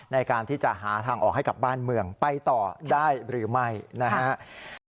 ในการที่จะหาทางออกให้กับบ้านเมืองไปต่อได้หรือไม่นะครับ